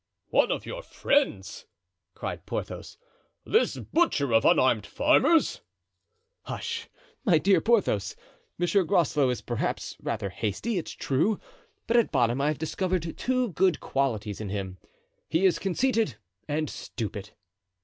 "One of your friends!" cried Porthos, "this butcher of unarmed farmers!" "Hush! my dear Porthos. Monsieur Groslow is perhaps rather hasty, it's true, but at bottom I have discovered two good qualities in him—he is conceited and stupid."